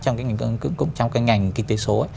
trong cái ngành kinh tế số